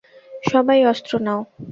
সবাই অস্ত্র নাও!